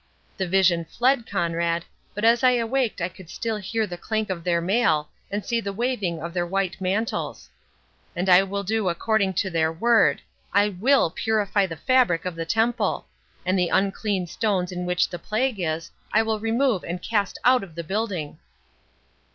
—The vision fled, Conrade, but as I awaked I could still hear the clank of their mail, and see the waving of their white mantles.—And I will do according to their word, I WILL purify the fabric of the Temple! and the unclean stones in which the plague is, I will remove and cast out of the building."